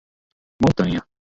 Montanha